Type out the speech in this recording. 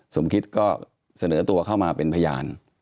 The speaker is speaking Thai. สมคิตก็เสนอตัวเข้ามาเป็นพยาน